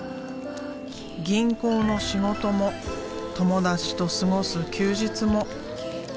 銀行の仕事も友達と過ごす休日も。